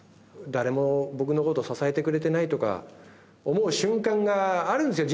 誰も僕のこと支えてくれてないとか思う瞬間があるんですよ